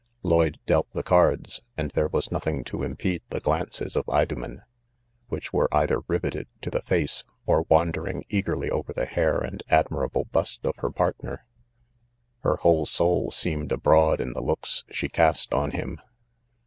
Lloyd dealt the cards, and there was nothing to impede the g3anees of Idomen, which were either riveted to the face or wandering" eagerly over the ilolr aridr 24* 1B0MEN, admirable bust of her partner. Her whole soul seemed abroad in the looks she cast on him.